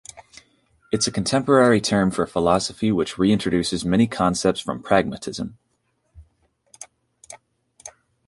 It's a contemporary term for a philosophy which reintroduces many concepts from pragmatism.